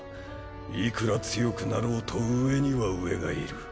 いくら強くなろうと上には上がいる。